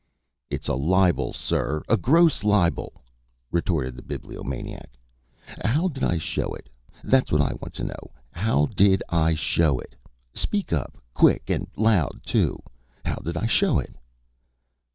"It's a libel, sir! a gross libel!" retorted the Bibliomaniac. "How did I show it? That's what I want to know. How did I show it? Speak up quick, and loud too. How did I show it?"